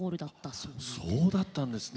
そうだったんですね。